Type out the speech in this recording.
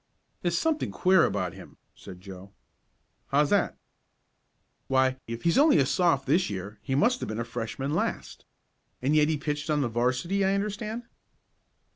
"There's something queer about him," said Joe. "How's that?" "Why, if he's only a Soph. this year he must have been a Freshman last. And yet he pitched on the 'varsity I understand."